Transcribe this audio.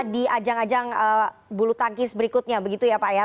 dan juga untuk mencari jalan kembali ke tempat yang lebih baik